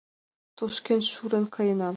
Тошкен шурен каена.